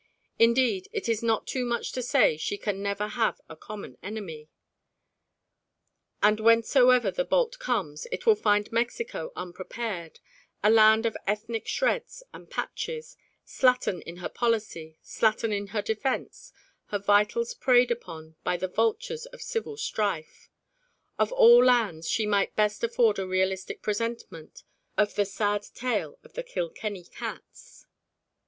Indeed it is not too much to say she can never have a common enemy; and whencesoever the bolt comes it will find Mexico unprepared, a land of ethnic shreds and patches, slattern in her policy, slattern in her defence, her vitals preyed upon by the vultures of civil strife. Of all lands she might best afford a realistic presentment of the sad tale of the Kilkenny cats.